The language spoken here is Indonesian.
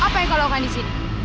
apa yang kau lakukan disini